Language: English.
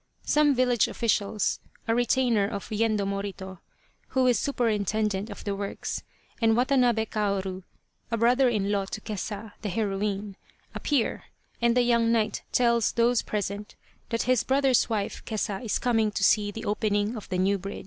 Some village officials, a retainer of Yendo Morito, who is superintendent of the works, and Watanabe Kaoru, a brother in law to Kesa, the heroine, appear, and the young knight tells those present that his brother's wife Kesa is coming to see the opening of the new bridge.